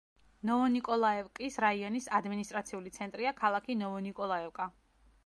ნოვონიკოლაევკის რაიონის ადმინისტრაციული ცენტრია ქალაქი ნოვონიკოლაევკა.